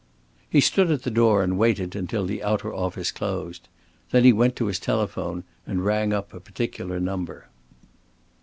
He stood at the door and waited until the outer office closed. Then he went to his telephone and rang up a particular number.